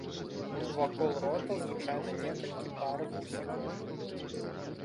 Вакол рота звычайна некалькі пар вусікаў.